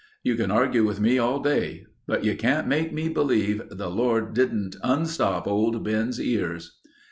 You can argue with me all day but you can't make me believe the Lord didn't unstop old Ben's ears."